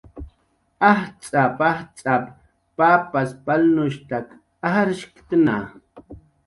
"Ajtz'ap"" ajtz'ap"" papas palnushtak ajshktna"